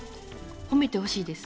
ほめてほしいです